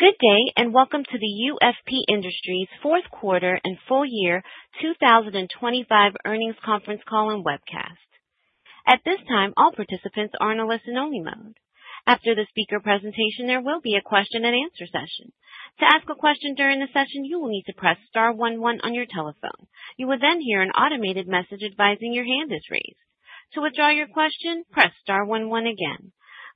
Good day, and welcome to the UFP Industries Q4 and full year 2025 earnings conference call and webcast. At this time, all participants are in a listen-only mode. After the speaker presentation, there will be a question and answer session. To ask a question during the session, you will need to press star one one on your telephone. You will then hear an automated message advising your hand is raised. To withdraw your question, press star one one again.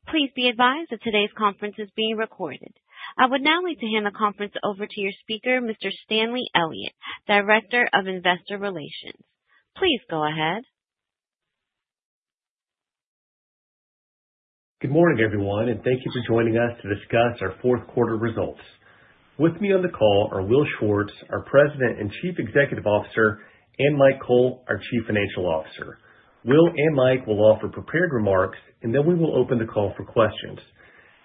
Please be advised that today's conference is being recorded. I would now like to hand the conference over to your speaker, Mr. Dick Gauthier, Director of Investor Relations. Please go ahead. Good morning, everyone, thank you for joining us to discuss our four results. me on the call are Matt Missad, our President and Chief Executive Officer, and Mike Cole, our Chief Financial Officer. Will and Mike will offer prepared remarks, and then we will open the call for questions.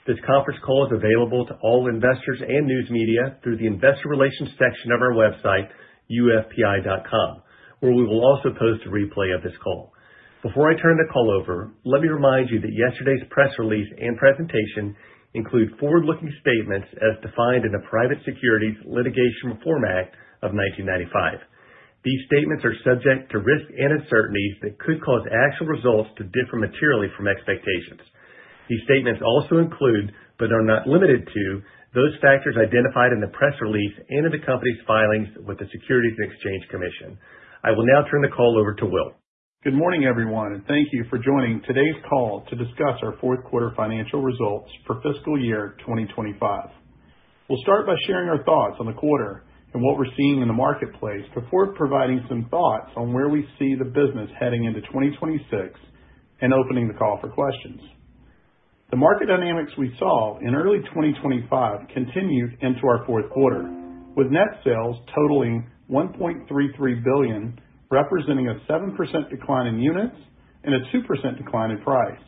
This conference call is available to all investors and news media through the investor relations section of our website, ufpi.com, where we will also post a replay of this call. Before I turn the call over, let me remind you that yesterday's press release and presentation include forward-looking statements as defined in the Private Securities Litigation Reform Act of 1995. These statements are subject to risks and uncertainties that could cause actual results to differ materially from expectations. These statements also include, but are not limited to, those factors identified in the press release and in the company's filings with the Securities and Exchange Commission. I will now turn the call over to Will. Good morning, everyone, and thank you for joining today's call to discuss our Q4 financial results for fiscal year 2025. We'll start by sharing our thoughts on the quarter and what we're seeing in the marketplace before providing some thoughts on where we see the business heading into 2026 and opening the call for questions. The market dynamics we saw in early 2025 continued into our Q4, with net sales totaling $1.33 billion, representing a 7% decline in units and a 2% decline in price.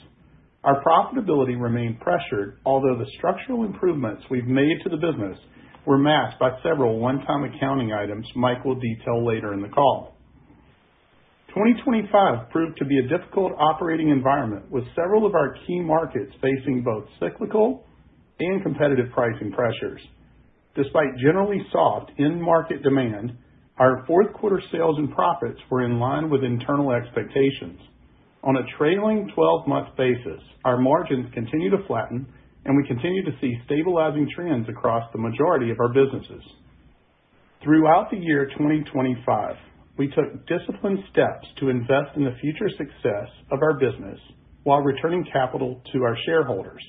Our profitability remained pressured, although the structural improvements we've made to the business were masked by several one-time accounting items Mike will detail later in the call. 2025 proved to be a difficult operating environment, with several of our key markets facing both cyclical and competitive pricing pressures. Despite generally soft end market demand, our Q4 sales and profits were in line with internal expectations. On a trailing 12-month basis, our margins continue to flatten, and we continue to see stabilizing trends across the majority of our businesses. Throughout the year 2025, we took disciplined steps to invest in the future success of our business while returning capital to our shareholders.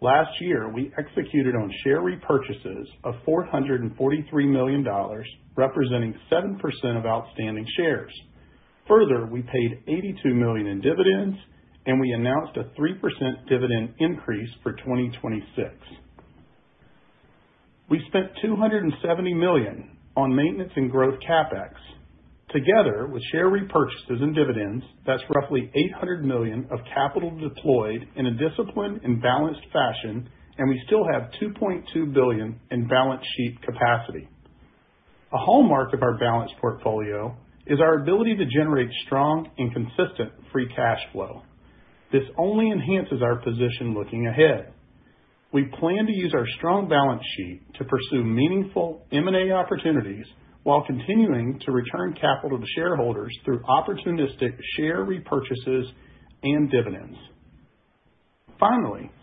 Last year, we executed on share repurchases of $443 million, representing 7% of outstanding shares. We paid $82 million in dividends, and we announced a 3% dividend increase for 2026. We spent $270 million on maintenance and growth CapEx. Together with share repurchases and dividends, that's roughly $800 million of capital deployed in a disciplined and balanced fashion, and we still have $2.2 billion in balance sheet capacity. A hallmark of our balanced portfolio is our ability to generate strong and consistent free cash flow. This only enhances our position looking ahead. We plan to use our strong balance sheet to pursue meaningful M&A opportunities while continuing to return capital to shareholders through opportunistic share repurchases and dividends.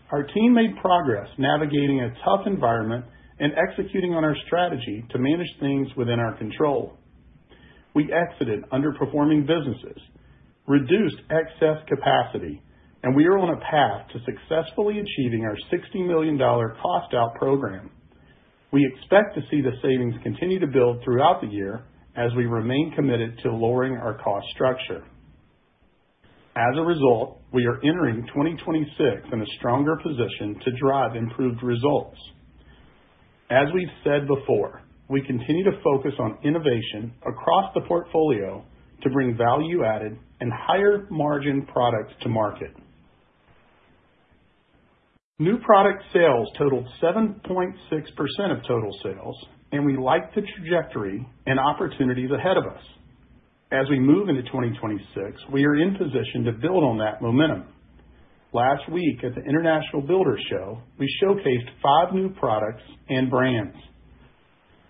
Our team made progress navigating a tough environment and executing on our strategy to manage things within our control. We exited underperforming businesses, reduced excess capacity, and we are on a path to successfully achieving our $60 million cost out program. We expect to see the savings continue to build throughout the year as we remain committed to lowering our cost structure. As a result, we are entering 2026 in a stronger position to drive improved results. As we've said before, we continue to focus on innovation across the portfolio to bring value-added and higher-margin products to market. New product sales totaled 7.6% of total sales. We like the trajectory and opportunities ahead of us. As we move into 2026, we are in position to build on that momentum. Last week at the International Builders' Show, we showcased 5 new products and brands.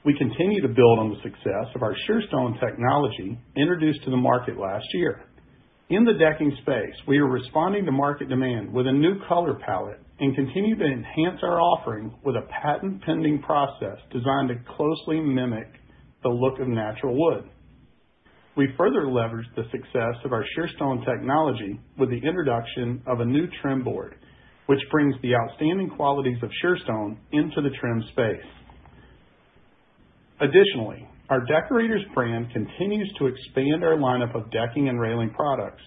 We continue to build on the success of our SureStone technology, introduced to the market last year. In the decking space, we are responding to market demand with a new color palette and continue to enhance our offering with a patent-pending process designed to closely mimic the look of natural wood. We further leveraged the success of our SureStone technology with the introduction of a new trim board, which brings the outstanding qualities of SureStone into the trim space. Additionally, our Deckorators brand continues to expand our lineup of decking and railing products.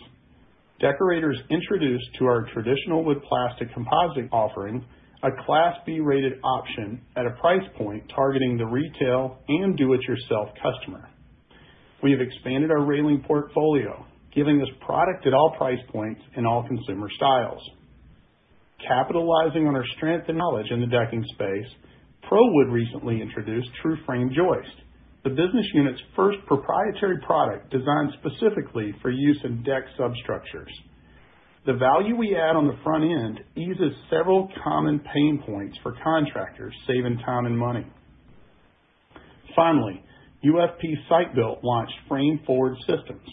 Deckorators introduced to our traditional wood-plastic composite offering, a Class B-rated option at a price point targeting the retail and do-it-yourself customer. We have expanded our railing portfolio, giving this product at all price points and all consumer styles. Capitalizing on our strength and knowledge in the decking space, ProWood recently introduced TrueFrame Joist, the business unit's first proprietary product designed specifically for use in deck substructures. The value we add on the front end eases several common pain points for contractors, saving time and money. Finally, UFP Site-Built launched Frame Forward Systems,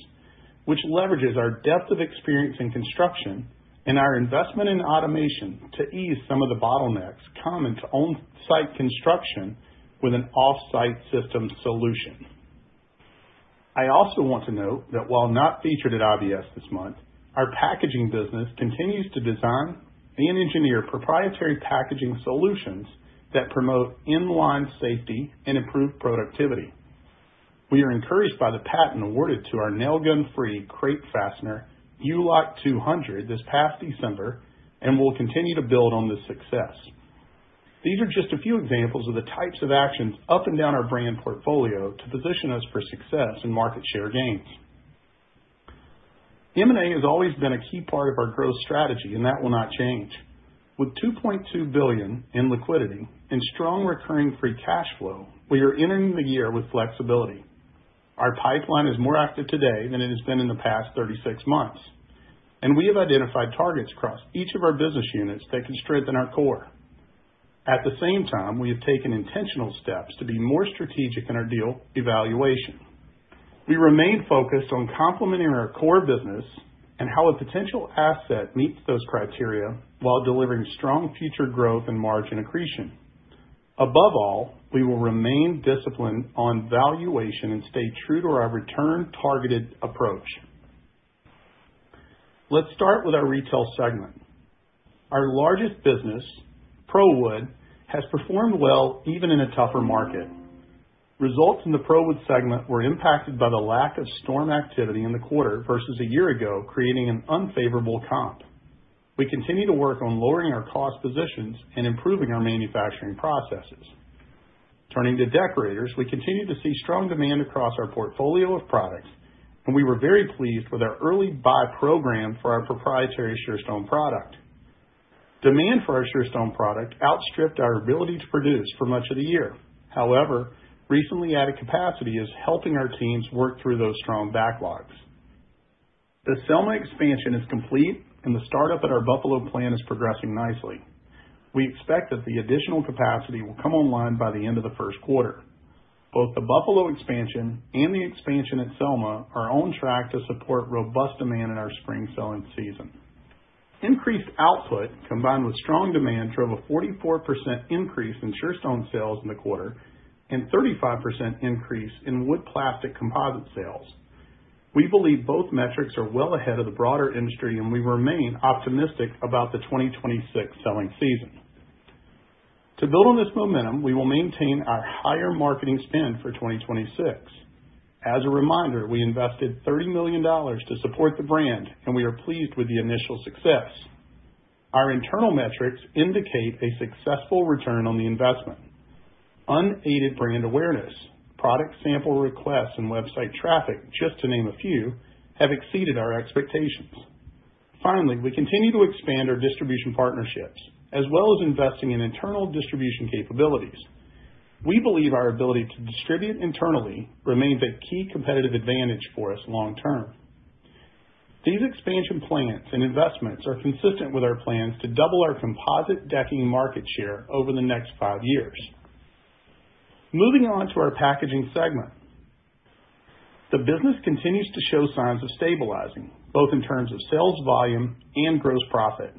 which leverages our depth of experience in construction and our investment in automation to ease some of the bottlenecks common to on-site construction with an off-site system solution. I also want to note that while not featured at IBS this month, our packaging business continues to design and engineer proprietary packaging solutions that promote in-line safety and improve productivity. We are encouraged by the patent awarded to our nail gun-free crate fastener, U-Loc 200, this past December, and we'll continue to build on this success. These are just a few examples of the types of actions up and down our brand portfolio to position us for success and market share gains. M&A has always been a key part of our growth strategy, and that will not change. With $2.2 billion in liquidity and strong recurring free cash flow, we are entering the year with flexibility. Our pipeline is more active today than it has been in the past 36 months, and we have identified targets across each of our business units that can strengthen our core. At the same time, we have taken intentional steps to be more strategic in our deal evaluation. We remain focused on complementing our core business and how a potential asset meets those criteria while delivering strong future growth and margin accretion. Above all, we will remain disciplined on valuation and stay true to our return-targeted approach. Let's start with our retail segment. Our largest business, ProWood, has performed well even in a tougher market. Results in the ProWood segment were impacted by the lack of storm activity in the quarter versus a year ago, creating an unfavorable comp. We continue to work on lowering our cost positions and improving our manufacturing processes. Turning to Deckorators, we continue to see strong demand across our portfolio of products, and we were very pleased with our early buy program for our proprietary SureStone product. Demand for our SureStone product outstripped our ability to produce for much of the year. Recently added capacity is helping our teams work through those strong backlogs. The Selma expansion is complete, and the startup at our Buffalo plant is progressing nicely. We expect that the additional capacity will come online by the end of the Q1. Both the Buffalo expansion and the expansion at Selma are on track to support robust demand in our spring selling season. Increased output, combined with strong demand, drove a 44% increase in SureStone sales in the quarter and 35% increase in wood-plastic composite sales. We believe both metrics are well ahead of the broader industry, and we remain optimistic about the 2026 selling season. To build on this momentum, we will maintain our higher marketing spend for 2026. As a reminder, we invested $30 million to support the brand, and we are pleased with the initial success. Our internal metrics indicate a successful return on the investment. Unaided brand awareness, product sample requests, and website traffic, just to name a few, have exceeded our expectations. Finally, we continue to expand our distribution partnerships, as well as investing in internal distribution capabilities. We believe our ability to distribute internally remains a key competitive advantage for us long term. These expansion plans and investments are consistent with our plans to double our composite decking market share over the next 5 years. Moving on to our packaging segment. The business continues to show signs of stabilizing, both in terms of sales volume and gross profit.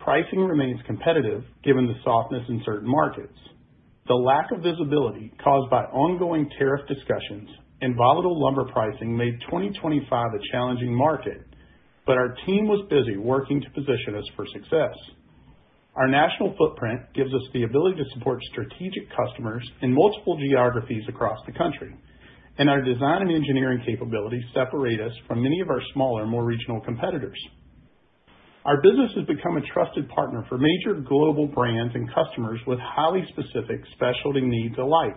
Pricing remains competitive given the softness in certain markets. The lack of visibility caused by ongoing tariff discussions and volatile lumber pricing made 2025 a challenging market. Our team was busy working to position us for success. Our national footprint gives us the ability to support strategic customers in multiple geographies across the country. Our design and engineering capabilities separate us from many of our smaller, more regional competitors. Our business has become a trusted partner for major global brands and customers with highly specific specialty needs alike.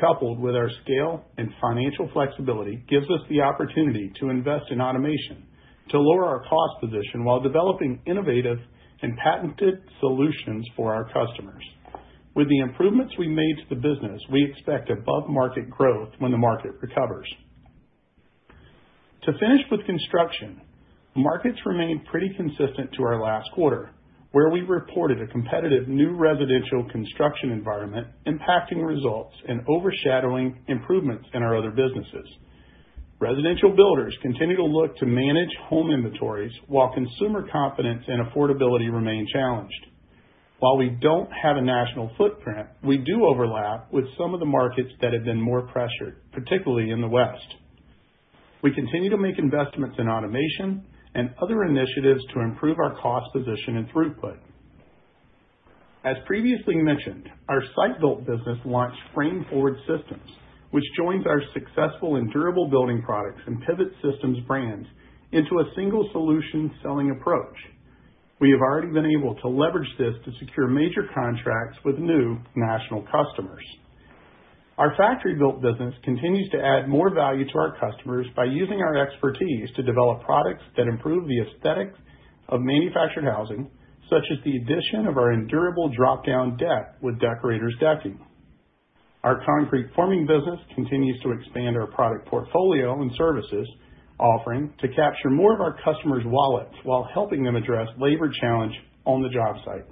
Coupled with our scale and financial flexibility, gives us the opportunity to invest in automation, to lower our cost position while developing innovative and patented solutions for our customers. With the improvements we made to the business, we expect above-market growth when the market recovers. To finish with construction, markets remained pretty consistent to our last quarter, where we reported a competitive new residential construction environment, impacting results and overshadowing improvements in our other businesses. Residential builders continue to look to manage home inventories, while consumer confidence and affordability remain challenged. While we don't have a national footprint, we do overlap with some of the markets that have been more pressured, particularly in the West. We continue to make investments in automation and other initiatives to improve our cost position and throughput. As previously mentioned, our Site-Built business launched Frame Forward Systems, which joins our successful Endurable Building Products and PIVOT Systems brands into a single solution-selling approach. We have already been able to leverage this to secure major contracts with new national customers. Our Factory-Built business continues to add more value to our customers by using our expertise to develop products that improve the aesthetics of manufactured housing, such as the addition of our Endurable drop-down deck with Deckorators decking. Our concrete forming business continues to expand our product portfolio and services offering to capture more of our customers' wallets, while helping them address labor challenge on the job site.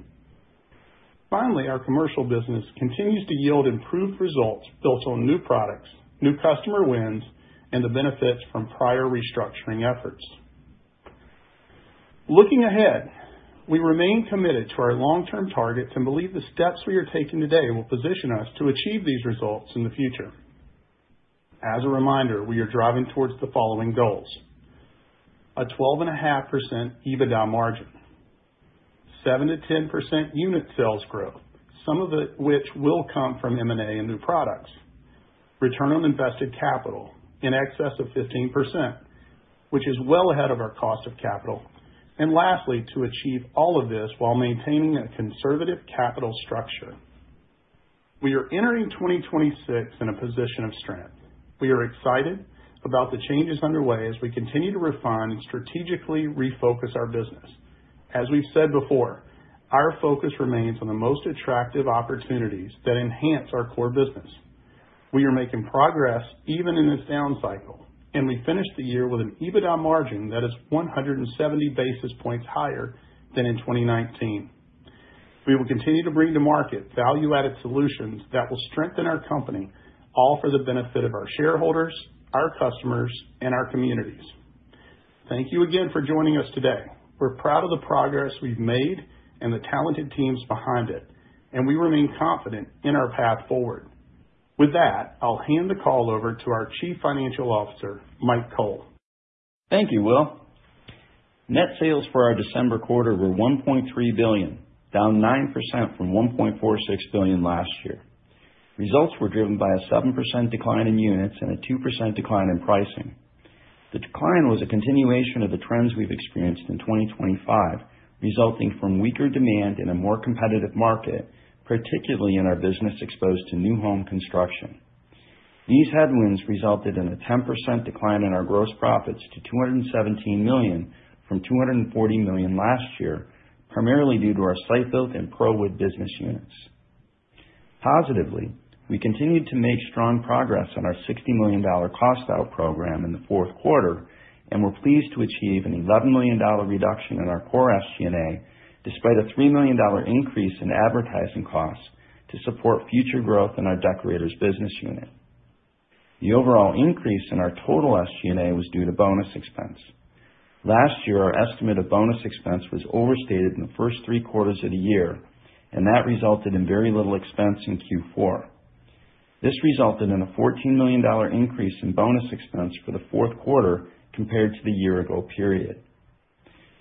Finally, our commercial business continues to yield improved results built on new products, new customer wins, and the benefits from prior restructuring efforts. Looking ahead, we remain committed to our long-term target and believe the steps we are taking today will position us to achieve these results in the future. As a reminder, we are driving towards the following goals: A 12.5% EBITDA margin, 7%-10% unit sales growth, some of it which will come from M&A and new products. return on invested capital in excess of 15%, which is well ahead of our cost of capital. Lastly, to achieve all of this while maintaining a conservative capital structure. We are entering 2026 in a position of strength. We are excited about the changes underway as we continue to refine and strategically refocus our business. As we've said before, our focus remains on the most attractive opportunities that enhance our core business. We are making progress even in this down cycle, and we finished the year with an EBITDA margin that is 170 basis points higher than in 2019. We will continue to bring to market value-added solutions that will strengthen our company, all for the benefit of our shareholders, our customers, and our communities. Thank you again for joining us today. We're proud of the progress we've made and the talented teams behind it. We remain confident in our path forward. With that, I'll hand the call over to our Chief Financial Officer, Michael Cole. Thank you, Will. Net sales for our December quarter were $1.3 billion, down 9% from $1.46 billion last year. Results were driven by a 7% decline in units and a 2% decline in pricing. The decline was a continuation of the trends we've experienced in 2025, resulting from weaker demand in a more competitive market, particularly in our business exposed to new home construction. These headwinds resulted in a 10% decline in our gross profits to $217 million from $240 million last year, primarily due to our Site Built and ProWood business units. Positively, we continued to make strong progress on our $60 million cost out program in the Q4, and we're pleased to achieve an $11 million reduction in our core SG&A, despite a $3 million increase in advertising costs to support future growth in our Deckorators business unit. The overall increase in our total SG&A was due to bonus expense. Last year, our estimate of bonus expense was overstated in the first Q3 of the year, and that resulted in very little expense in Q4. This resulted in a $14 million increase in bonus expense for the Q4 compared to the year-ago period.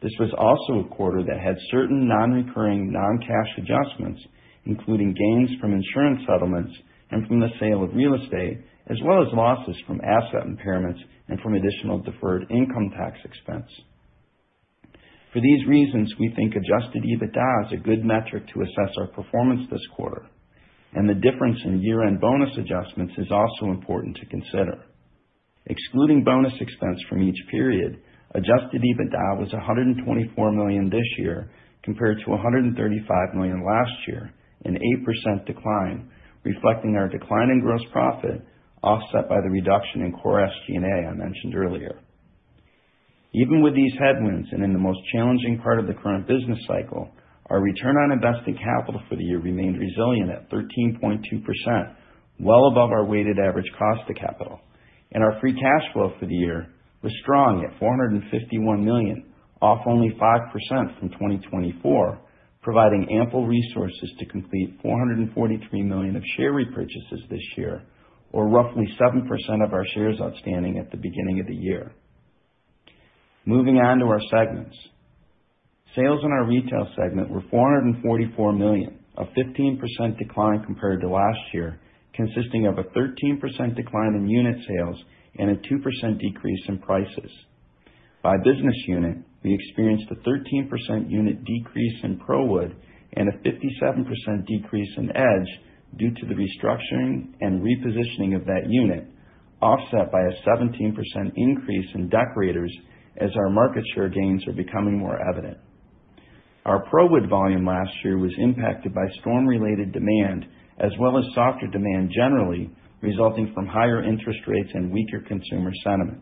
This was also a quarter that had certain non-recurring, non-cash adjustments, including gains from insurance settlements and from the sale of real estate, as well as losses from asset impairments and from additional deferred income tax expense. For these reasons, we think Adjusted EBITDA is a good metric to assess our performance this quarter, and the difference in year-end bonus adjustments is also important to consider. Excluding bonus expense from each period, Adjusted EBITDA was $124 million this year, compared to $135 million last year, an 8% decline, reflecting our decline in gross profit, offset by the reduction in core SG&A I mentioned earlier. Even with these headwinds, in the most challenging part of the current business cycle, our return on invested capital for the year remained resilient at 13.2%, well above our weighted average cost of capital, and our free cash flow for the year was strong at $451 million, off only 5% from 2024, providing ample resources to complete $443 million of share repurchases this year, or roughly 7% of our shares outstanding at the beginning of the year. Moving on to our segments. Sales in our retail segment were $444 million, a 15% decline compared to last year, consisting of a 13% decline in unit sales and a 2% decrease in prices. By business unit, we experienced a 13% unit decrease in ProWood and a 57% decrease in Edge due to the restructuring and repositioning of that unit, offset by a 17% increase in Deckorators as our market share gains are becoming more evident. Our ProWood volume last year was impacted by storm-related demand, as well as softer demand, generally, resulting from higher interest rates and weaker consumer sentiment.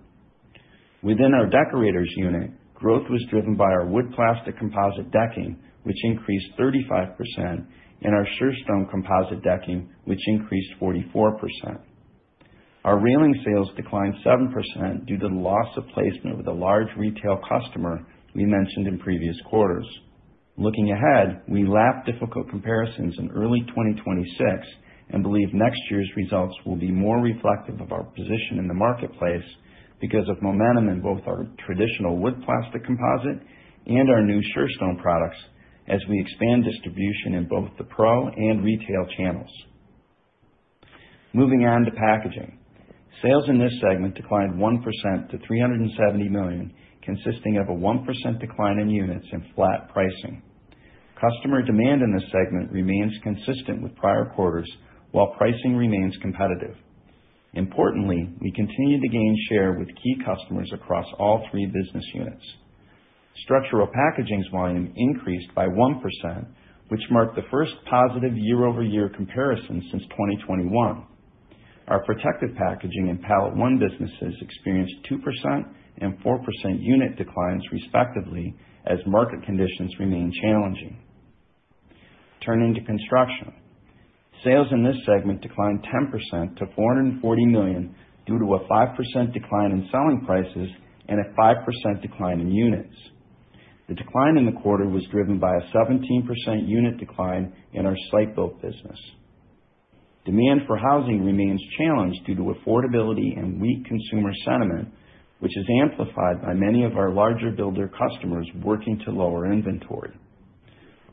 Within our Deckorators unit, growth was driven by our wood-plastic composite decking, which increased 35%, and our Surestone composite decking, which increased 44%. Our railing sales declined 7% due to the loss of placement with a large retail customer we mentioned in previous quarters. Looking ahead, we lap difficult comparisons in early 2026 and believe next year's results will be more reflective of our position in the marketplace because of momentum in both our traditional wood-plastic composite and our new Surestone products as we expand distribution in both the pro and retail channels. Moving on to packaging. Sales in this segment declined 1% to $370 million, consisting of a 1% decline in units and flat pricing. Customer demand in this segment remains consistent with prior quarters, while pricing remains competitive. Importantly, we continue to gain share with key customers across all three business units. Structural Packaging's volume increased by 1%, which marked the first positive year-over-year comparison since 2021. Our Protective Packaging and PalletOne businesses experienced 2% and 4% unit declines, respectively, as market conditions remain challenging. Turning to construction. Sales in this segment declined 10% to $440 million, due to a 5% decline in selling prices and a 5% decline in units. The decline in the quarter was driven by a 17% unit decline in our Site-Built business. Demand for housing remains challenged due to affordability and weak consumer sentiment, which is amplified by many of our larger builder customers working to lower inventory.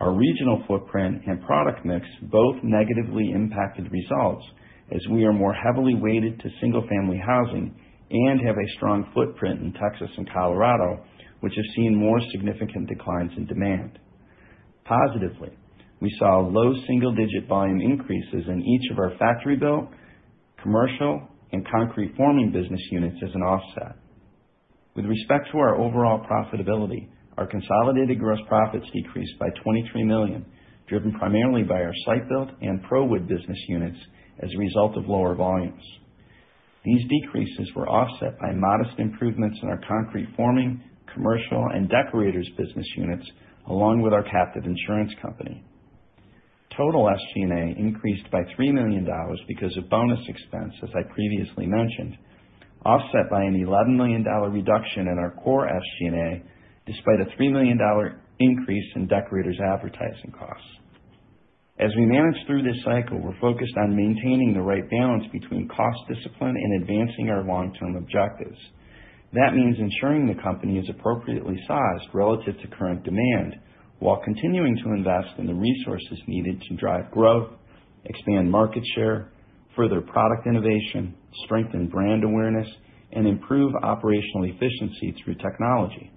Our regional footprint and product mix both negatively impacted results, as we are more heavily weighted to single-family housing and have a strong footprint in Texas and Colorado, which have seen more significant declines in demand. Positively, we saw low single-digit volume increases in each of our Factory-Built, commercial, and concrete forming business units as an offset. With respect to our overall profitability, our consolidated gross profits decreased by $23 million, driven primarily by our Site-Built and ProWood business units as a result of lower volumes. These decreases were offset by modest improvements in our concrete forming, commercial, and Deckorators business units, along with our Captive Insurance Company. Total SG&A increased by $3 million because of bonus expense, as I previously mentioned, offset by an $11 million reduction in our core SG&A, despite a $3 million increase in Deckorators' advertising costs. As we manage through this cycle, we're focused on maintaining the right balance between cost discipline and advancing our long-term objectives. That means ensuring the company is appropriately sized relative to current demand, while continuing to invest in the resources needed to drive growth, expand market share, further product innovation, strengthen brand awareness, and improve operational efficiency through technology.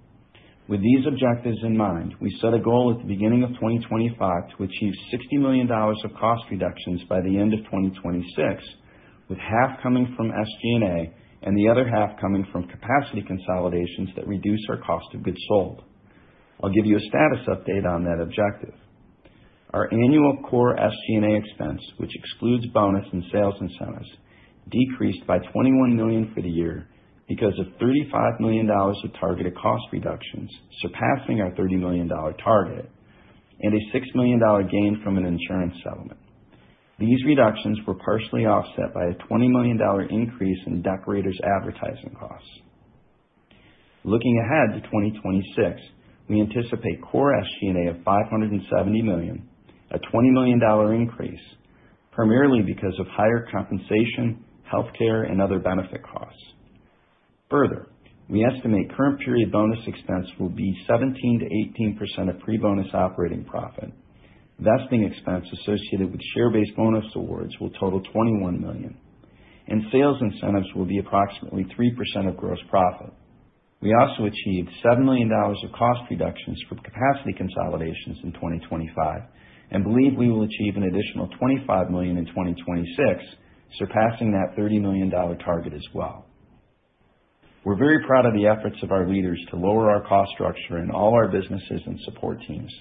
With these objectives in mind, we set a goal at the beginning of 2025 to achieve $60 million of cost reductions by the end of 2026, with half coming from SG&A and the other half coming from capacity consolidations that reduce our cost of goods sold. I'll give you a status update on that objective. Our annual core SG&A expense, which excludes bonus and sales incentives, decreased by $21 million for the year because of $35 million of targeted cost reductions, surpassing our $30 million target, and a $6 million gain from an insurance settlement. These reductions were partially offset by a $20 million increase in Deckorators' advertising costs. Looking ahead to 2026, we anticipate core SG&A of $570 million, a $20 million increase, primarily because of higher compensation, healthcare, and other benefit costs. We estimate current period bonus expense will be 17%-18% of pre-bonus operating profit. Vesting expense associated with share-based bonus awards will total $21 million, sales incentives will be approximately 3% of gross profit. We also achieved $7 million of cost reductions from capacity consolidations in 2025 and believe we will achieve an additional $25 million in 2026, surpassing that $30 million target as well. We're very proud of the efforts of our leaders to lower our cost structure in all our businesses and support teams.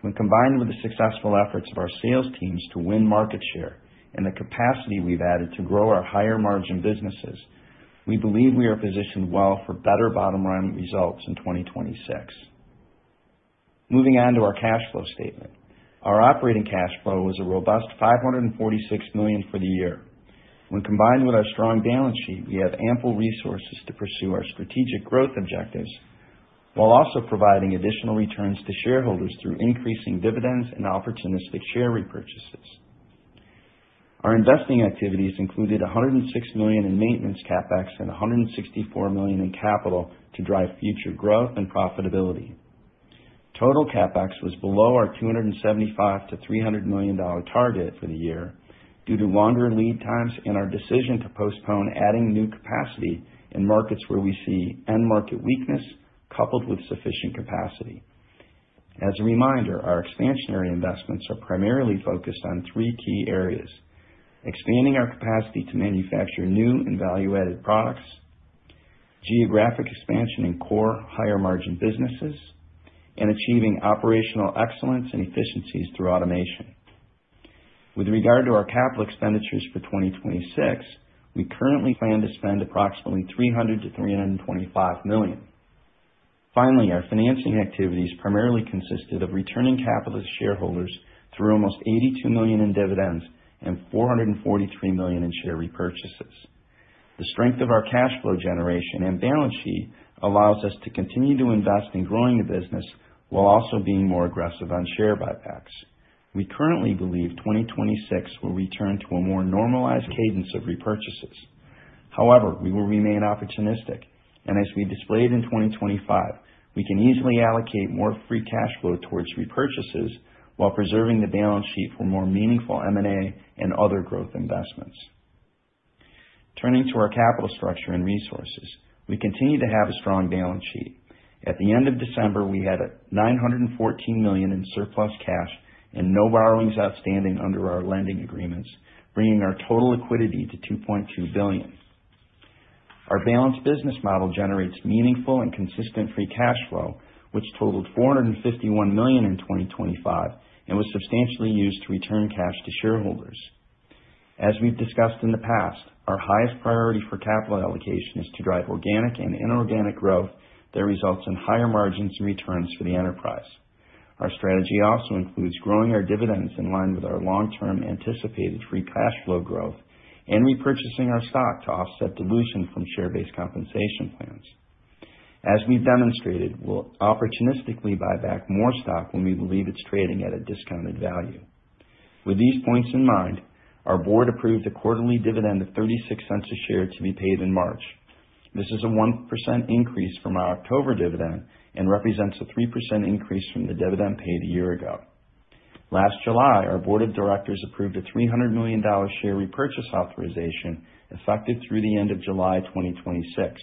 When combined with the successful efforts of our sales teams to win market share and the capacity we've added to grow our higher margin businesses, we believe we are positioned well for better bottom-line results in 2026. Moving on to our cash flow statement. Our operating cash flow was a robust $546 million for the year. When combined with our strong balance sheet, we have ample resources to pursue our strategic growth objectives, while also providing additional returns to shareholders through increasing dividends and opportunistic share repurchases. Our investing activities included $106 million in maintenance CapEx and $164 million in capital to drive future growth and profitability. Total CapEx was below our $275 million-$300 million target for the year due to longer lead times and our decision to postpone adding new capacity in markets where we see end market weakness, coupled with sufficient capacity. As a reminder, our expansionary investments are primarily focused on three key areas: expanding our capacity to manufacture new and value-added products, geographic expansion in core, higher-margin businesses, and achieving operational excellence and efficiencies through automation. With regard to our capital expenditures for 2026, we currently plan to spend approximately $300 million-$325 million. Finally, our financing activities primarily consisted of returning capital to shareholders through almost $82 million in dividends and $443 million in share repurchases. The strength of our cash flow generation and balance sheet allows us to continue to invest in growing the business while also being more aggressive on share buybacks. We currently believe 2026 will return to a more normalized cadence of repurchases. However, we will remain opportunistic, and as we displayed in 2025, we can easily allocate more free cash flow towards repurchases while preserving the balance sheet for more meaningful M&A and other growth investments. Turning to our capital structure and resources. We continue to have a strong balance sheet. At the end of December, we had $914 million in surplus cash and no borrowings outstanding under our lending agreements, bringing our total liquidity to $2.2 billion. Our balanced business model generates meaningful and consistent free cash flow, which totaled $451 million in 2025, and was substantially used to return cash to shareholders. As we've discussed in the past, our highest priority for capital allocation is to drive organic and inorganic growth that results in higher margins and returns for the enterprise. Our strategy also includes growing our dividends in line with our long-term anticipated free cash flow growth and repurchasing our stock to offset dilution from share-based compensation plans. As we've demonstrated, we'll opportunistically buy back more stock when we believe it's trading at a discounted value. With these points in mind, our Board approved a quarterly dividend of $0.36 a share to be paid in March. This is a 1% increase from our October dividend and represents a 3% increase from the dividend paid a year ago. Last July, our Board of Directors approved a $300 million share repurchase authorization, effective through the end of July 2026.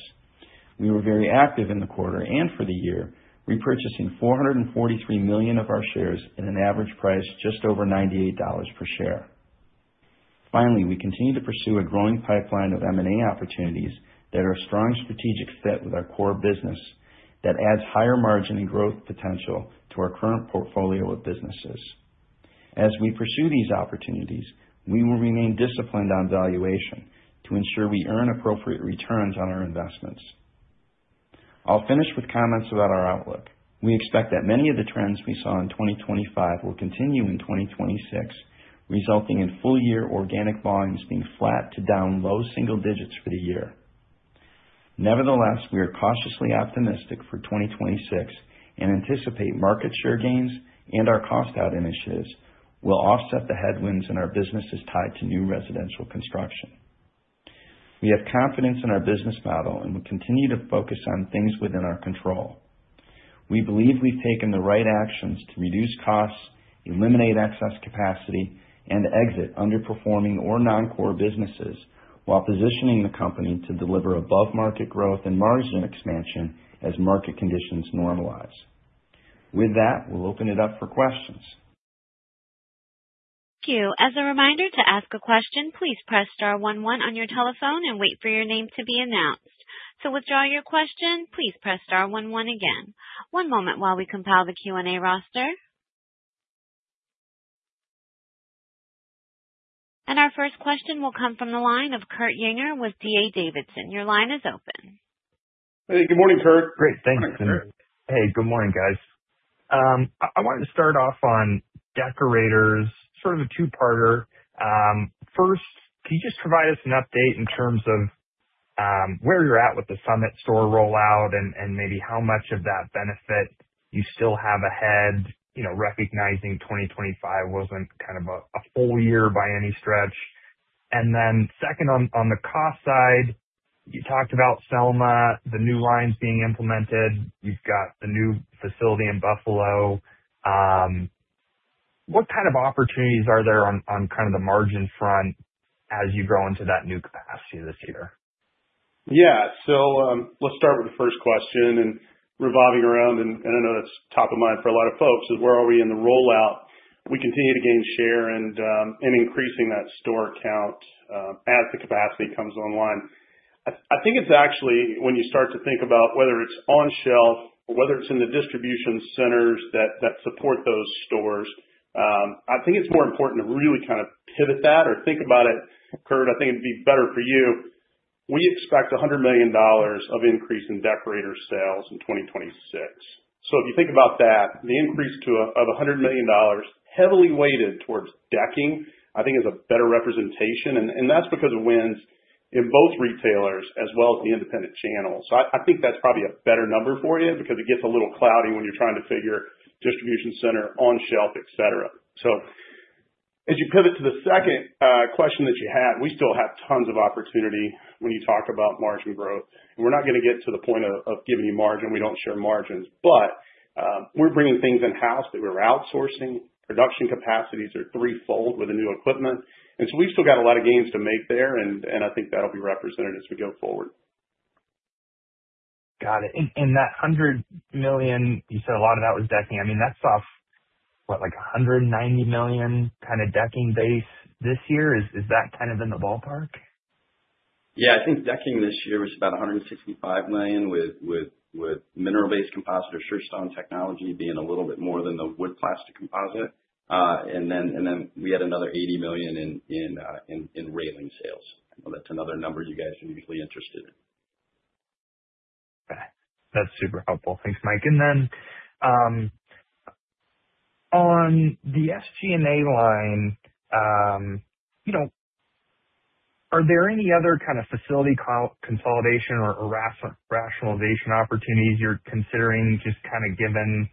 We were very active in the quarter and for the year, repurchasing $443 million of our shares at an average price just over $98 per share. Finally, we continue to pursue a growing pipeline of M&A opportunities that are a strong strategic fit with our core business, that adds higher margin and growth potential to our current portfolio of businesses. As we pursue these opportunities, we will remain disciplined on valuation to ensure we earn appropriate returns on our investments. I'll finish with comments about our outlook. We expect that many of the trends we saw in 2025 will continue in 2026, resulting in full year organic volumes being flat to down low single digits for the year. Nevertheless, we are cautiously optimistic for 2026 and anticipate market share gains and our cost out initiatives will offset the headwinds in our businesses tied to new residential construction. We have confidence in our business model, and we continue to focus on things within our control. We believe we've taken the right actions to reduce costs, eliminate excess capacity, and exit underperforming or non-core businesses, while positioning UFP Industries to deliver above-market growth and margin expansion as market conditions normalize. With that, we'll open it up for questions. Thank you. As a reminder, to ask a question, please press star 11 on your telephone and wait for your name to be announced. To withdraw your question, please press star 11 again. One moment while we compile the Q&A roster. Our first question will come from the line of Kurt Yinger with D.A. Davidson. Your line is open. Hey, good morning, Kurt. Great, thanks. Hi, Kurt. Hey, good morning, guys. I wanted to start off on Deckorators, sort of a two-parter. First, can you just provide us an update in terms of where you're at with the Summit store rollout and maybe how much of that benefit you still have ahead, you know, recognizing 2025 wasn't kind of a full year by any stretch. Second, on the cost side, you talked about Selma, the new lines being implemented. You've got the new facility in Buffalo. What kind of opportunities are there on kind of the margin front as you grow into that new capacity this year? Let's start with the first question, and revolving around, and I know that's top of mind for a lot of folks, is where are we in the rollout? We continue to gain share and increasing that store count as the capacity comes online. I think it's actually, when you start to think about whether it's on shelf or whether it's in the distribution centers that support those stores, I think it's more important to really kind of pivot that or think about it. Kurt, I think it'd be better for you. We expect $100 million of increase in Deckorators sales in 2026. If you think about that, the increase of $100 million heavily weighted towards decking, I think is a better representation, and that's because of wins in both retailers as well as the independent channels. I think that's probably a better number for you, because it gets a little cloudy when you're trying to figure distribution center, on shelf, et cetera. As you pivot to the second question that you had, we still have tons of opportunity when you talk about margin growth. We're not gonna get to the point of giving you margin. We don't share margins, but we're bringing things in-house that we're outsourcing. Production capacities are threefold with the new equipment, and so we've still got a lot of gains to make there, and I think that'll be represented as we go forward. Got it. That $100 million, you said a lot of that was decking. I mean, that's off, what? Like a $190 million kind of decking base this year. Is that kind of in the ballpark? Yeah. I think decking this year was about $165 million with mineral-based composite or SureStone technology being a little bit more than the wood-plastic composite. We had another $80 million in railing sales. I know that's another number you guys are usually interested in. Got it. That's super helpful. Thanks, Mike. On the SG&A line, you know, are there any other kind of facility consolidation or rationalization opportunities you're considering, just kind of given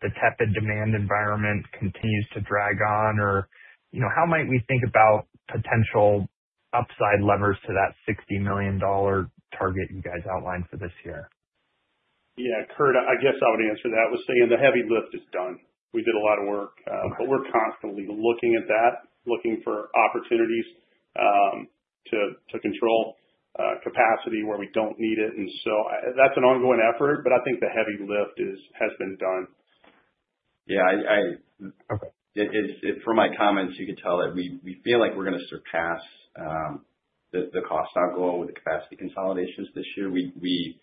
the tepid demand environment continues to drag on? Or, you know, how might we think about potential upside levers to that $60 million target you guys outlined for this year? Kurt, I guess I would answer that with saying the heavy lift is done. We did a lot of work, but we're constantly looking at that, looking for opportunities, to control capacity where we don't need it. That's an ongoing effort, but I think the heavy lift is, has been done. Yeah, I. Okay. From my comments, you could tell that we feel like we're gonna surpass the cost op goal with the capacity consolidations this year. We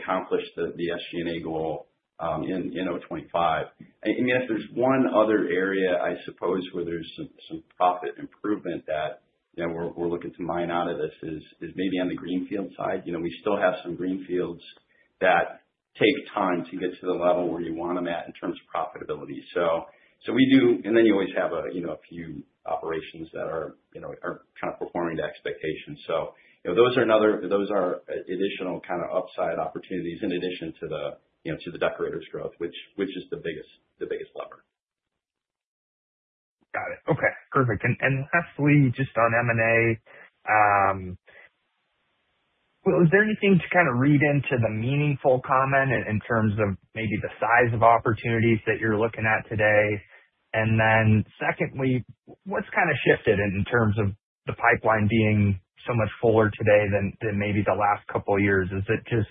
accomplished the SG&A goal in 2025. Yes, there's one other area, I suppose, where there's some profit improvement that, you know, we're looking to mine out of this is maybe on the greenfield side. You know, we still have some greenfields that take time to get to the level where you want them at in terms of profitability. We do. You always have a, you know, a few operations that are, you know, kind of performing to expectations. You know, those are additional kind of upside opportunities in addition to the, you know, to the Deckorators growth, which is the biggest, the biggest lever. Got it. Okay, perfect. Lastly, just on M&A, is there anything to kind of read into the meaningful comment in terms of maybe the size of opportunities that you're looking at today? Secondly, what's kind of shifted in terms of the pipeline being so much fuller today than maybe the last couple of years? Is it just,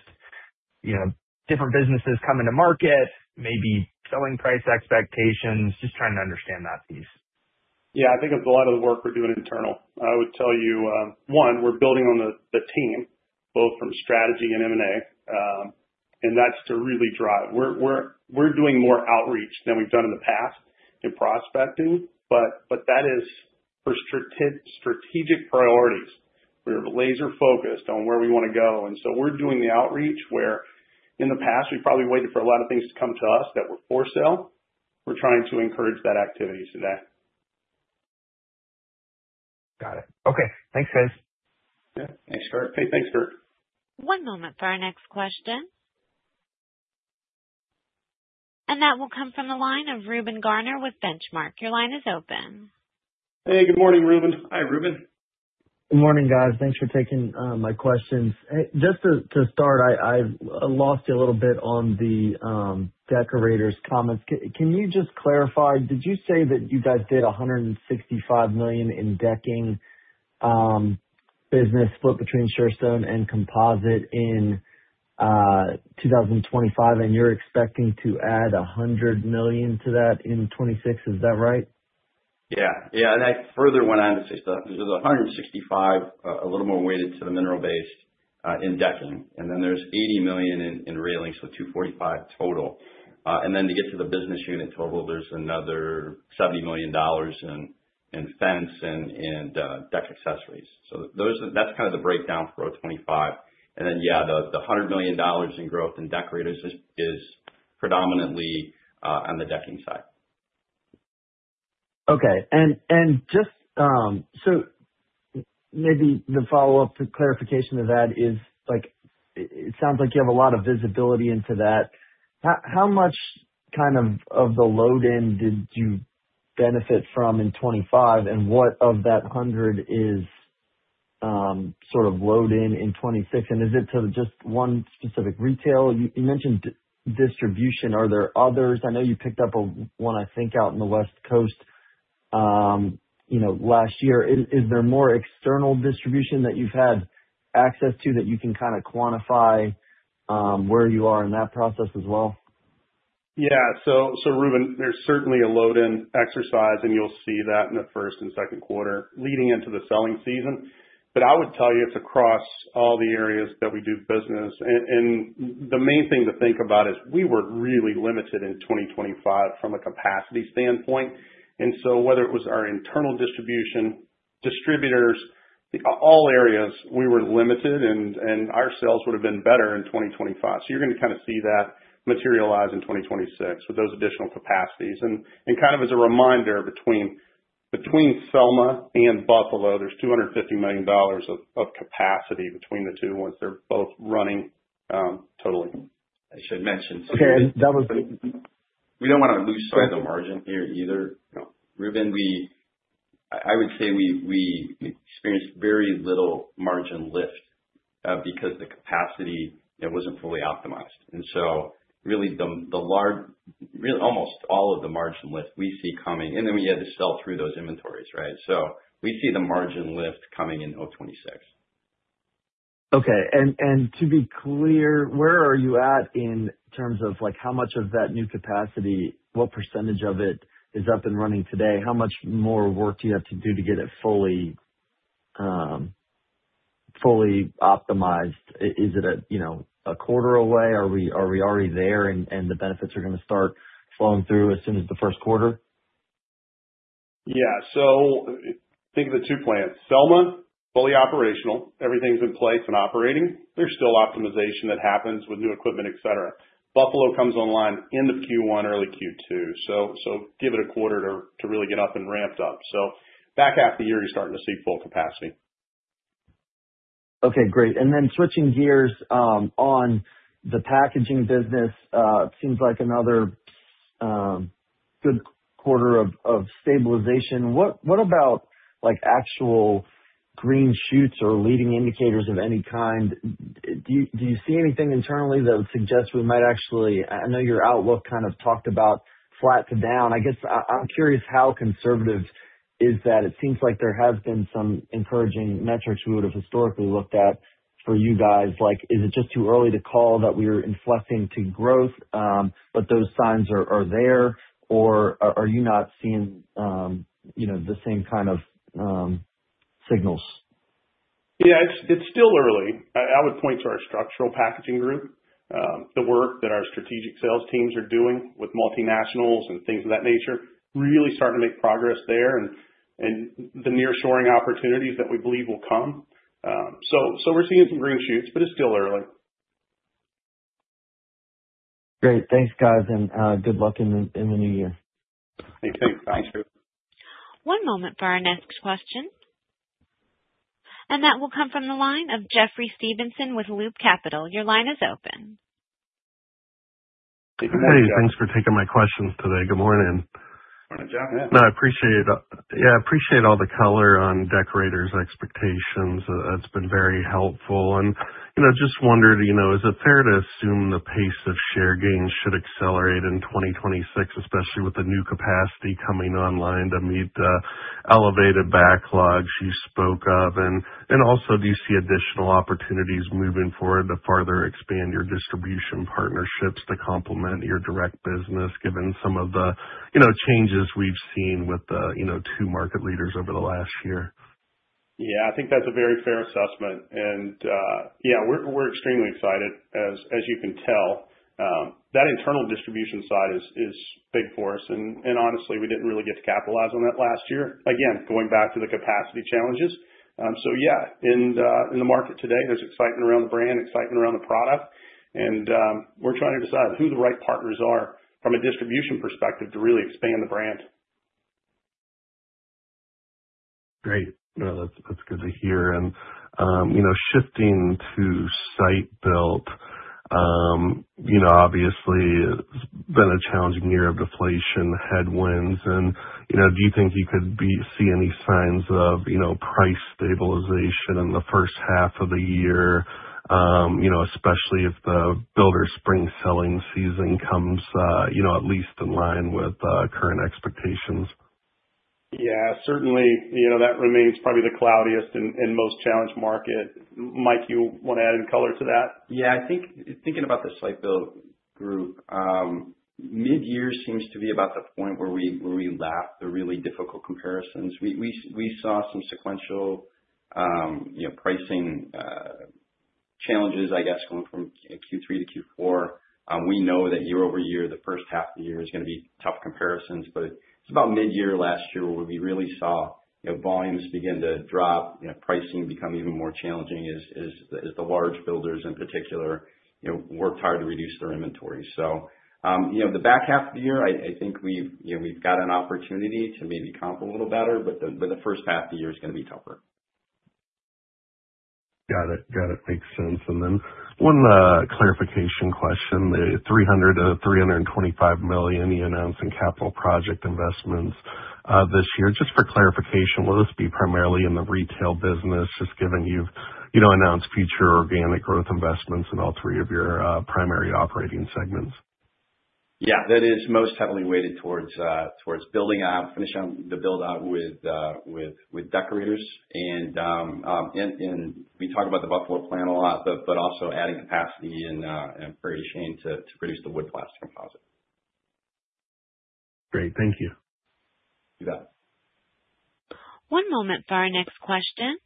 you know, different businesses coming to market, maybe selling price expectations? Just trying to understand that piece. Yeah, I think it's a lot of the work we're doing internal. I would tell you, one, we're building on the team, both from strategy and M&A, and that's to really drive. We're doing more outreach than we've done in the past in prospecting, but that is for strategic priorities. We're laser focused on where we want to go. We're doing the outreach, where in the past, we probably waited for a lot of things to come to us that were for sale. We're trying to encourage that activity today. Got it. Okay, thanks, guys. Yeah, thanks, Kurt. Hey, thanks, Kurt. One moment for our next question. That will come from the line of Reuben Garner with Benchmark. Your line is open. Hey, good morning, Reuben. Hi, Reuben. Good morning, guys. Thanks for taking my questions. Just to start, I lost you a little bit on the Deckorators comments. Can you just clarify, did you say that you guys did $165 million in decking business split between Surestone and composite in 2025, and you're expecting to add $100 million to that in 2026? Is that right? Yeah. Yeah, I further went on to say, there's $165 million, a little more weighted to the mineral base, in decking, and then there's $80 million in railings, $245 million total. To get to the business unit total, there's another $70 million in fence and deck accessories. That's kind of the breakdown for 2025. Yeah, the $100 million in growth in Deckorators is predominantly on the decking side. Okay. Just, maybe the follow-up for clarification to that is, like, it sounds like you have a lot of visibility into that. How much kind of the load in did you benefit from in 2025, and what of that 100 is, sort of load in in 2026? Is it to just 1 specific retail? You mentioned distribution, are there others? I know you picked up a 1, I think, out in the West Coast, you know, last year. Is there more external distribution that you've had access to, that you can kind of quantify, where you are in that process as well? Yeah. Reuben, there's certainly a load in exercise, and you'll see that in the Q1 and Q2leading into the selling season. I would tell you, it's across all the areas that we do business. The main thing to think about is we were really limited in 2025 from a capacity standpoint, and so whether it was our internal distribution, distributors, all areas, we were limited and our sales would have been better in 2025. You're going to kind of see that materialize in 2026 with those additional capacities. Kind of as a reminder, between Selma and Buffalo, there's $250 million of capacity between the two, once they're both running, totally. I should mention. Okay, that was the. We don't want to lose sight of the margin here either. Reuben, I would say we experienced very little margin lift because the capacity, it wasn't fully optimized. Really almost all of the margin lift we see coming, we had to sell through those inventories, right? We see the margin lift coming in 2026. Okay. To be clear, where are you at in terms of like, how much of that new capacity, what % of it is up and running today? How much more work do you have to do to get it fully optimized? Is it at, you know, a quarter away? Are we already there, and the benefits are going to start flowing through as soon as the Q1? Think of the two plants. Selma, fully operational, everything's in place and operating. There's still optimization that happens with new equipment, et cetera. Buffalo comes online end of Q1, early Q2, so give it a quarter to really get up and ramped up. Back half of the year, you're starting to see full capacity. Okay, great. Then switching gears, on the packaging business. It seems like another good quarter of stabilization. What about, like, actual green shoots or leading indicators of any kind? Do you see anything internally that would suggest we might actually. I know your outlook kind of talked about flat to down. I guess I'm curious how conservative is that. It seems like there has been some encouraging metrics we would have historically looked at for you guys. Like, is it just too early to call that we are inflecting to growth, but those signs are there, or are you not seeing, you know, the same kind of signals? It's still early. I would point to our Structural Packaging group, the work that our strategic sales teams are doing with multinationals and things of that nature, really starting to make progress there and the nearshoring opportunities that we believe will come. We're seeing some green shoots, but it's still early. Great. Thanks, guys, and good luck in the new year. Thank you. Thanks. One moment for our next question. That will come from the line of Jeffrey Stevenson with Loop Capital. Your line is open. Hey, thanks for taking my questions today. Good morning. Morning, Jeff. No, I appreciate all the color on Deckorators' expectations. That's been very helpful. You know, just wondered, you know, is it fair to assume the pace of share gains should accelerate in 2026, especially with the new capacity coming online to meet the elevated backlogs you spoke of? Also, do you see additional opportunities moving forward to further expand your distribution partnerships to complement your direct business, given some of the, you know, changes we've seen with the, you know, two market leaders over the last year? I think that's a very fair assessment. We're extremely excited, as you can tell. That internal distribution side is big for us, and honestly, we didn't really get to capitalize on that last year. Again, going back to the capacity challenges. In the market today, there's excitement around the brand, excitement around the product, and we're trying to decide who the right partners are from a distribution perspective to really expand the brand. Great. No, that's good to hear. You know, shifting to Site-Built, you know, obviously, it's been a challenging year of deflation headwinds, and, you know, do you think you see any signs of, you know, price stabilization in the first half of the year, you know, especially if the builder spring selling season comes, you know, at least in line with current expectations? Yeah, certainly, you know, that remains probably the cloudiest and most challenged market. Mike, you want to add any color to that? Yeah, I think thinking about the site-built group, mid-year seems to be about the point where we lap the really difficult comparisons. We saw some sequential, you know, pricing challenges, I guess, going from Q3 to Q4. We know that year-over-year, the first half of the year is going to be tough comparisons. It's about mid-year last year, where we really saw, you know, volumes begin to drop, you know, pricing become even more challenging as the large builders in particular, you know, worked hard to reduce their inventory. You know, the back half of the year, I think we've, you know, we've got an opportunity to maybe comp a little better, but the first half of the year is going to be tougher. Got it. Makes sense. Then one, clarification question. The $300 million-$325 million you announced in capital project investments this year, just for clarification, will this be primarily in the retail business, just given you've, you know, announced future organic growth investments in all three of your primary operating segments? Yeah, that is most heavily weighted towards building out, finishing the build out with Deckorators and we talk about the Buffalo plant a lot, but also adding capacity and Shane to produce the wood-plastic composite. Great. Thank you. You bet. One moment for our next question.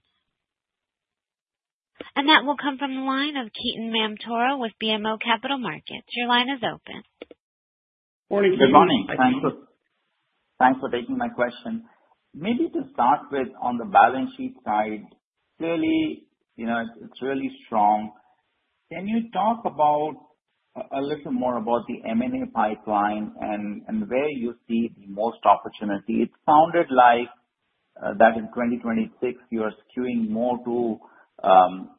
That will come from the line of Ketan Mamtora with BMO Capital Markets. Your line is open. Morning, Ketan. Good morning. Thanks for taking my question. Maybe to start with, on the balance sheet side, clearly, you know, it's really strong. Can you talk about a little more about the M&A pipeline and where you see the most opportunity? It sounded like that in 2026 you are skewing more to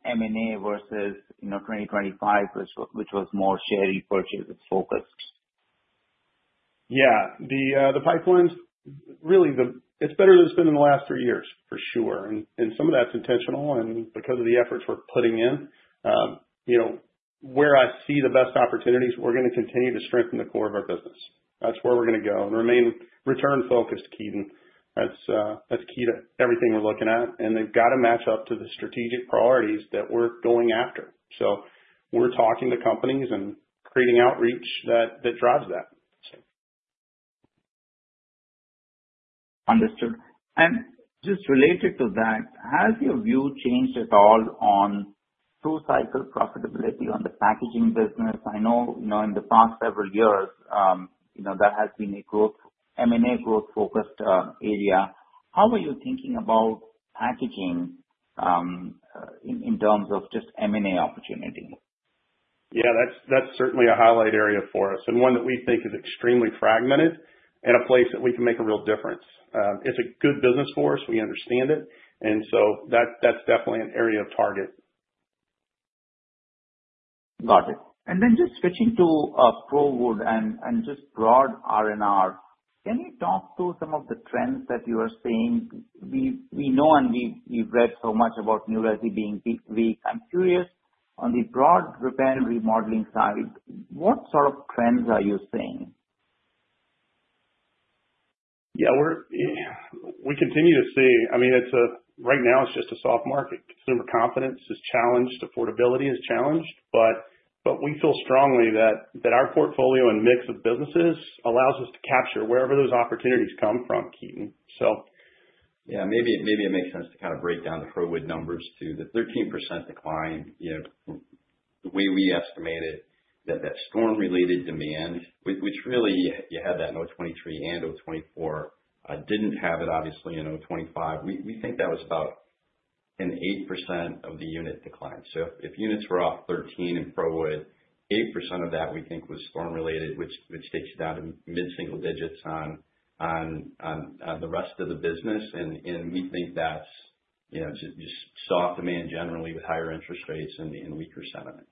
M&A versus, you know, 2025, which was more share repurchase focused. Yeah. The pipeline's really better than it's been in the last 3 years, for sure. Some of that's intentional, and because of the efforts we're putting in. You know, where I see the best opportunities, we're going to continue to strengthen the core of our business. That's where we're gonna go and remain return focused, Ketan Mamtora. That's key to everything we're looking at, and they've got to match up to the strategic priorities that we're going after. We're talking to companies and creating outreach that drives that. Understood. Just related to that, has your view changed at all on full-cycle profitability on the packaging business? I know, you know, in the past several years, you know, that has been a growth, M&A growth-focused, area. How are you thinking about packaging, in terms of just M&A opportunity? Yeah, that's certainly a highlight area for us, one that we think is extremely fragmented and a place that we can make a real difference. It's a good business for us. We understand it, that's definitely an area of target. Got it. Just switching to ProWood and just broad RNR, can you talk through some of the trends that you are seeing? We know and we've read so much about new residential being weak. On the broad repair and remodeling side, what sort of trends are you seeing? Yeah, we're, I mean, right now, it's just a soft market. Consumer confidence is challenged, affordability is challenged, but we feel strongly that our portfolio and mix of businesses allows us to capture wherever those opportunities come from, Ketan. Yeah, maybe it makes sense to kind of break down the ProWood numbers to the 13% decline. You know, the way we estimated that storm-related demand, which really you had that in 2023 and 2024, didn't have it obviously in 2025. We think that was about an 8% of the unit decline. If units were off 13 in ProWood, 8% of that we think was storm-related, which takes you down to mid-single digits on the rest of the business. We think that's, you know, just soft demand generally with higher interest rates and weaker sentiment.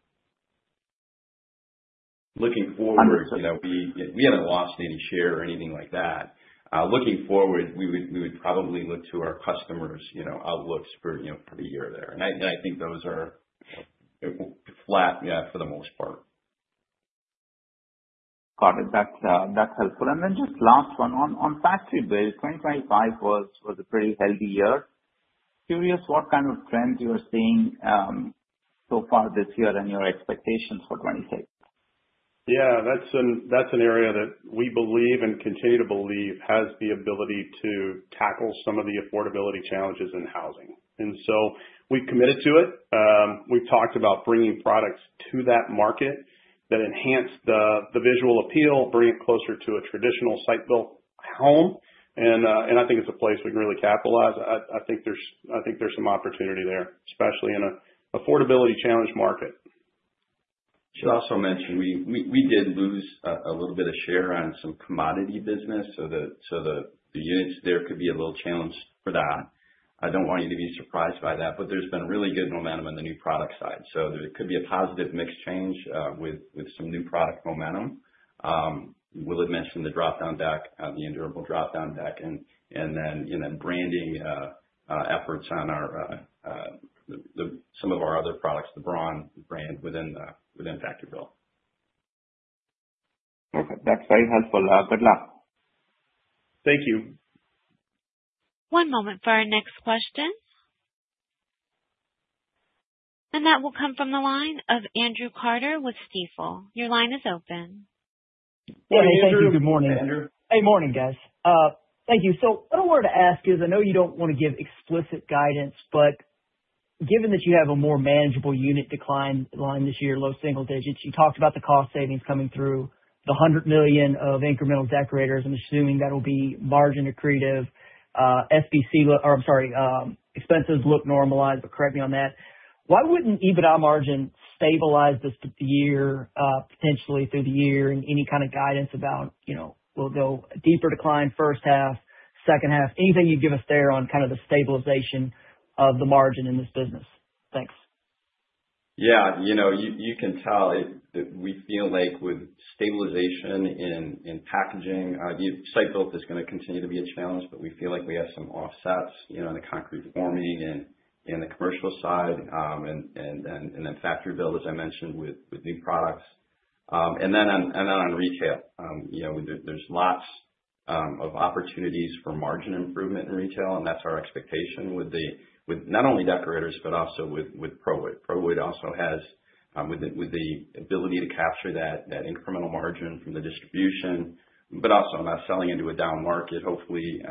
Looking forward, you know, we haven't lost any share or anything like that. Looking forward, we would probably look to our customers, you know, outlooks for, you know, for the year there. I think those are flat, yeah, for the most part. Got it. That's, that's helpful. Just last one. On Factory-Built, 2025 was a pretty healthy year. Curious what kind of trends you are seeing so far this year and your expectations for 2026? That's an area that we believe and continue to believe has the ability to tackle some of the affordability challenges in housing. We've committed to it. We've talked about bringing products to that market that enhance the visual appeal, bring it closer to a traditional Site-Built home. I think it's a place we can really capitalize. I think there's some opportunity there, especially in a affordability challenged market. Should also mention, we did lose a little bit of share on some commodity business, so the units there could be a little challenged for that. I don't want you to be surprised by that. There's been really good momentum on the new product side, so there could be a positive mix change, with some new product momentum. Willard mentioned the drop-down deck, the Endurable drop-down deck, and then, you know, branding efforts on our some of our other products, the BRAWN brand within Factory-Built. Okay, that's very helpful. Good luck. Thank you. One moment for our next question. That will come from the line of Andrew Carter with Stifel. Your line is open. Hey, Andrew. Good morning. Hey, Andrew. Hey, morning, guys. Thank you. What I wanted to ask is, I know you don't want to give explicit guidance, but given that you have a more manageable unit decline line this year, low single digits, you talked about the cost savings coming through the $100 million of incremental Deckorators. I'm assuming that'll be margin accretive. SBC, or I'm sorry, expenses look normalized, but correct me on that. Why wouldn't EBITDA margin stabilize this year, potentially through the year? Any kind of guidance about, you know, we'll go a deeper decline, first half, second half, anything you'd give us there on kind of the stabilization of the margin in this business? Thanks. You know, you can tell it, that we feel like with stabilization in packaging, the Site-Built is gonna continue to be a challenge, but we feel like we have some offsets, you know, in the concrete forming and in the commercial side. Factory-Built, as I mentioned, with new products. On retail, you know, there's lots of opportunities for margin improvement in retail, and that's our expectation with not only Deckorators but also with ProWood. ProWood also has with the ability to capture that incremental margin from the distribution, but also I'm not selling into a down market, hopefully, you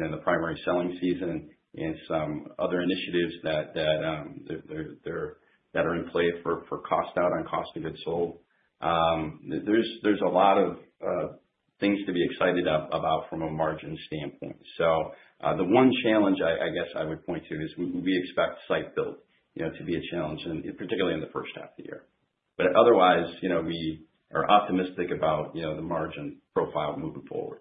know, in the primary selling season and some other initiatives that are in play for cost out on cost of goods sold. There's a lot of things to be excited of, about from a margin standpoint. The one challenge I guess I would point to is we expect Site-Built, you know, to be a challenge and particularly in the first half of the year. Otherwise, you know, we are optimistic about, you know, the margin profile moving forward.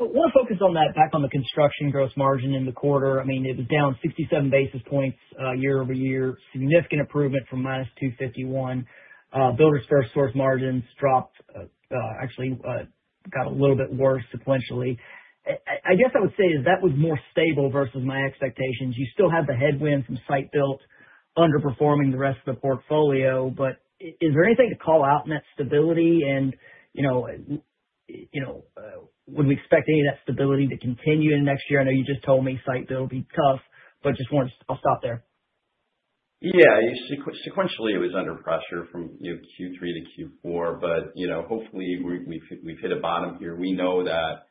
I want to focus on that, back on the construction gross margin in the quarter. I mean, it was down 67 basis points year-over-year. Significant improvement from minus 251. Builders FirstSource margins dropped, actually, got a little bit worse sequentially. I guess I would say that was more stable versus my expectations. You still have the headwind from Site-Built underperforming the rest of the portfolio, but is there anything to call out in that stability? You know, you know, would we expect any of that stability to continue into next year? I know you just told me Site-Built will be tough, but just want to... I'll stop there. Yeah, sequentially, it was under pressure from, you know, Q3 to Q4, but, you know, hopefully, we've hit a bottom here. We know that,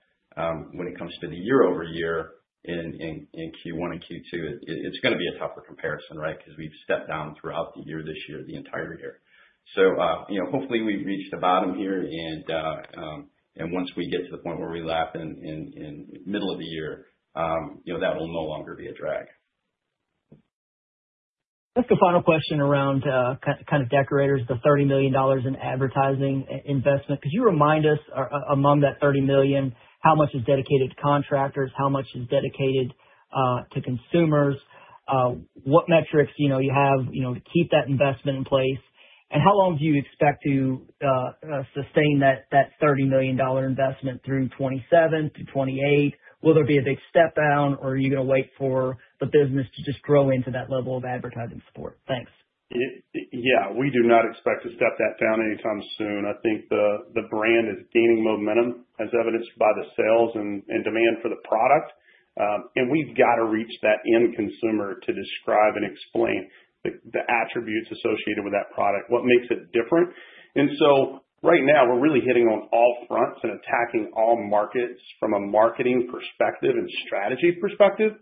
when it comes to the year-over-year in Q1 and Q2, it's gonna be a tougher comparison, right? Because we've stepped down throughout the year, this year, the entire year. You know, hopefully, we've reached the bottom here, and once we get to the point where we lap in middle of the year, you know, that will no longer be a drag. Just a final question around, kind of Deckorators, the $30 million in advertising investment. Could you remind us, among that $30 million, how much is dedicated to contractors, how much is dedicated to consumers? What metrics, you know, you have, you know, to keep that investment in place? How long do you expect to sustain that $30 million investment through 2027 to 2028? Will there be a big step down, or are you gonna wait for the business to just grow into that level of advertising support? Thanks. Yeah, we do not expect to step that down anytime soon. I think the brand is gaining momentum, as evidenced by the sales and demand for the product. We've got to reach that end consumer to describe and explain the attributes associated with that product, what makes it different. Right now, we're really hitting on all fronts and attacking all markets from a marketing perspective and strategy perspective.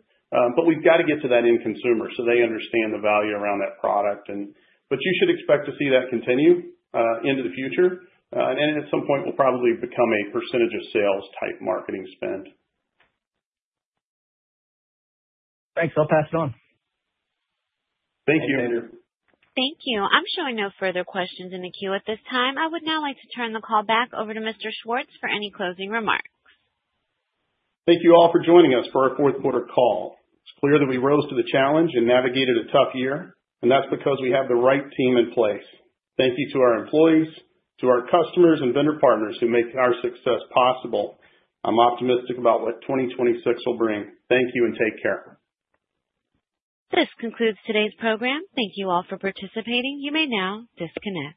We've got to get to that end consumer so they understand the value around that product and. You should expect to see that continue into the future. At some point will probably become a % of sales type marketing spend. Thanks. I'll pass it on. Thank you. Thank you, Andrew. Thank you. I'm showing no further questions in the queue at this time. I would now like to turn the call back over to Mr. Schwartz for any closing remarks. Thank you all for joining us for our Q4 call. It's clear that we rose to the challenge and navigated a tough year, and that's because we have the right team in place. Thank you to our employees, to our customers and vendor partners who make our success possible. I'm optimistic about what 2026 will bring. Thank you, and take care. This concludes today's program. Thank you all for participating. You may now disconnect.